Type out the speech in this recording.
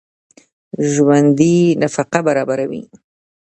ژوندي نفقه برابروي